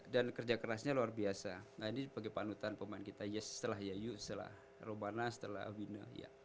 dan kerja kerasnya luar biasa nah ini bagi panutan pemain kita ya setelah yayu setelah romana setelah wina ya